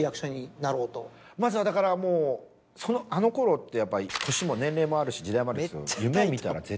まずはだからもうあのころってやっぱ年も年齢もあるし時代もあるんですよ。